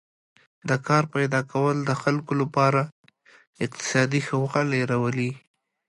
د کار پیدا کول د خلکو لپاره اقتصادي ښه والی راولي.